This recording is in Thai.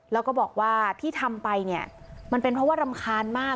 แล้วก็บอกว่าที่ทำไปเนี่ยมันเป็นเพราะว่ารำคาญมาก